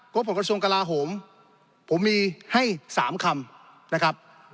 บของกระทรวงกลาโหมผมมีให้๓คำนะครับ